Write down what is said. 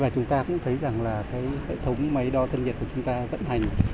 chúng ta cũng thấy hệ thống máy đo thân nhiệt của chúng ta vận hành